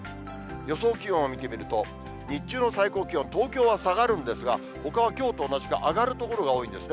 予想気温見てみると、日中の最高気温、東京は下がるんですが、ほかはきょうと同じか上がる所が多いんですね。